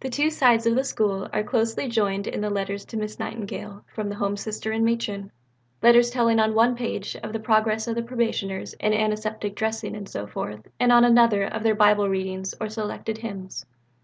The two sides of the School are closely joined in the letters to Miss Nightingale from the Home Sister and Matron letters telling on one page of the progress of Probationers in antiseptic dressing and so forth, and on another of their Bible readings or selected hymns.